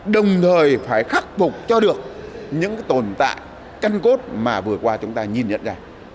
đồng thời phải khắc phục cho được những tồn tại căn cốt mà vừa qua chúng ta nhìn nhận ra